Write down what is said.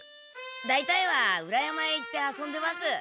だいたいは裏山へ行って遊んでます。